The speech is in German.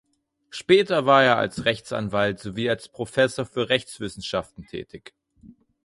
Später war er als Rechtsanwalt sowie als Professor für Rechtswissenschaften tätig.